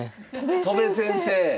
戸辺先生！